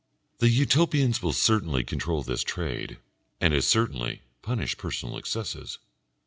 The Utopians will certainly control this trade, and as certainly punish personal excesses.